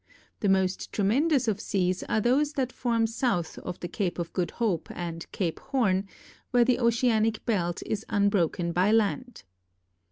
The most tremendous of seas are those that form south of the Cape of Good Hope and Cape Horn, where the oceanic belt is unbroken by land.